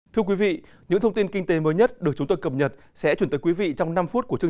thưa quý vị những thông tin kinh tế mới nhất được chúng tôi cập nhật sẽ chuyển tới quý vị trong năm phút của chương